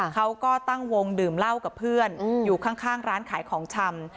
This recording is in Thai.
เขาก็ตั้งวงดื่มเหล้ากับเพื่อนอยู่ข้างร้านขายของชำ